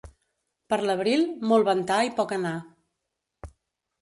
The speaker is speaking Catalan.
Per l'abril, molt ventar i poc anar.